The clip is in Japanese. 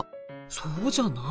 そうじゃない？